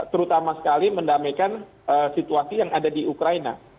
terutama sekali mendamaikan situasi yang ada di ukraina